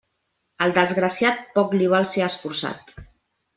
Al desgraciat poc li val ser esforçat.